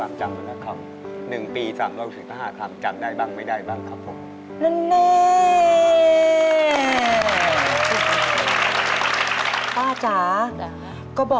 ได้ไหมครับ